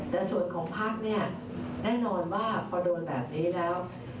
แต่ส่วนของพักเนี่ยแน่นอนว่าพอโดนแบบนี้แล้ว